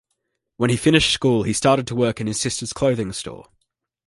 When he finished school he started to work in his sisters' clothing store.